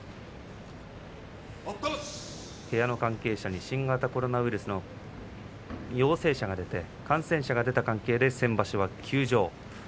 部屋の関係者に新型コロナウイルスの陽性者が出て感染者が出た関係で先場所は休場。